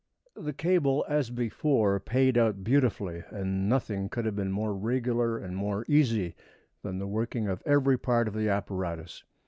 The cable, as before, paid out beautifully, and nothing could have been more regular and more easy than the working of every part of the apparatus.